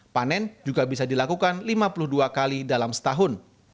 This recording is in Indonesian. panen juga bisa dilakukan lima puluh dua kali dalam setahun